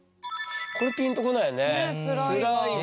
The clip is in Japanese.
これピンとこないよね。